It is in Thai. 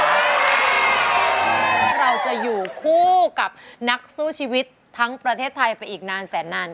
เราจะอยู่คู่กับนักสู้ชีวิตทั้งประเทศไทยไปอีกนานแสนนาน